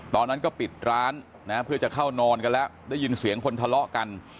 ตอนนั้นก็ปิดร้านนะเพื่อจะเข้านอนกันแล้วได้ยินเสียงคนทะเลาะกัน